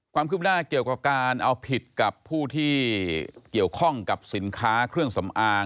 ความคืบหน้าเกี่ยวกับการเอาผิดกับผู้ที่เกี่ยวข้องกับสินค้าเครื่องสำอาง